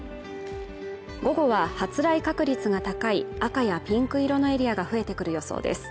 午後は発雷確率が高い赤やピンク色のエリアが増えてくる予想です